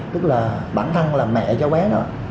tức là bản thân là mẹ cho bé đó